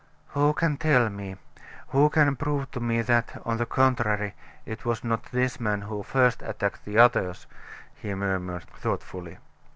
"Who can tell me who can prove to me that, on the contrary, it was not this man who first attacked the others?" he murmured, thoughtfully.